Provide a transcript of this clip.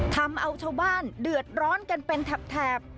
ทำเอาชาวบ้านเดือดร้อนกันเป็นแถบ